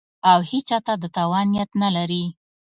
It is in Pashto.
او هېچا ته د تاوان نیت نه لري